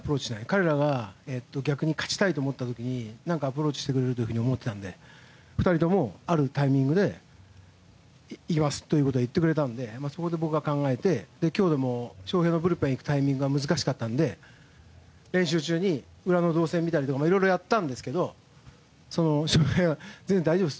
彼らが逆に勝ちたいと思った時になんかアプローチしてくれると思ってたので２人ともあるタイミングで行きますと言ってくれたのでそこで僕は考えて今日、翔平がブルペンに行くタイミングは難しかったので練習中に裏の動線を見たりとか色々やったんですけど翔平が、全然大丈夫です